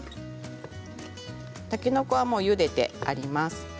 たけのこは、ゆでてあります。